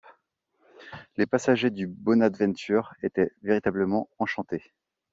Les passagers du Bonadventure étaient véritablement enchantés